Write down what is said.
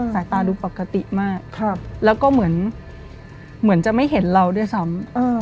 สายตาดูปกติมากแล้วก็เหมือนจะไม่เห็นเราด้วยซ้ำ